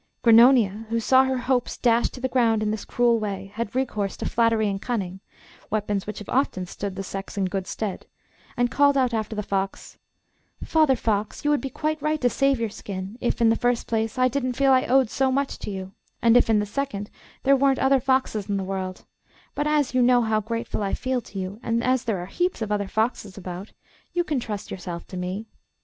Grannonia, who saw her hopes dashed to the ground in this cruel way, had recourse to flattery and cunning, weapons which have often stood the sex in good stead, and called out after the fox, 'Father Fox, you would be quite right to save your skin, if, in the first place, I didn't feel I owed so much to you, and if, in the second, there weren't other foxes in the world; but as you know how grateful I feel to you, and as there are heaps of other foxes about, you can trust yourself to me.